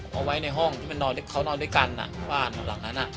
เอาไว้ในห้องที่มันเขานอนด้วยกันบ้านหลังนั้น